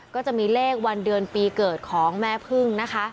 ก็จะมีเลขวันเดือนปีเกิดของแม่พึ่งนะคะ